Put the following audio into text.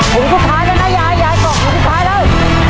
ถุงสุดท้ายแล้วนะยายยายกล่องถุงสุดท้ายแล้ว